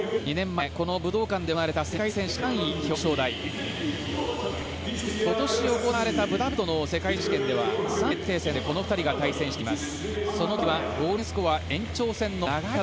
２年前、この武道館で行われた世界選手権で今年行われたブダペストの世界選手権では３位決定戦でこの２人が対戦しています。